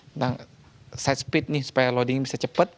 tentang side speed nih supaya loading bisa cepat